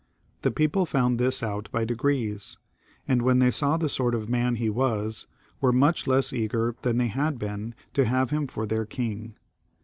The people found this ont by d^rees ; and when they saw the sort of man he was, were mnch less eager than they had been to have him for their king.